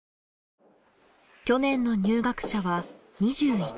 去年の入学者は２１人。